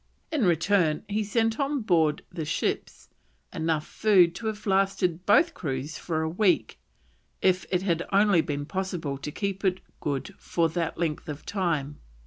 In return he sent on board the ships enough food to have lasted both crews for a week, if it had only been possible to keep it good for that length of time.